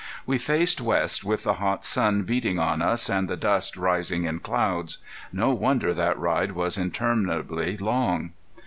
We faced west with the hot sun beating on us and the dust rising in clouds. No wonder that ride was interminably long.